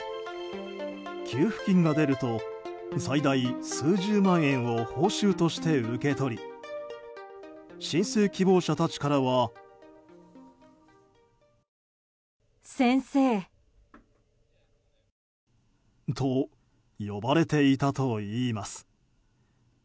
給付金が出ると最大数十万円を報酬として受け取り申請希望者たちからは。と、呼ばれていたといいます。